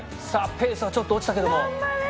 ペースはちょっと落ちたけども。